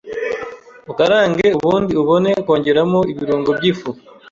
ukarange ubundi ubone kongeramo ibirungo by’ifu